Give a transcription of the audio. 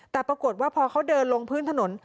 แต่ปรากฏว่าพอเขาเดินลงพื้นถนน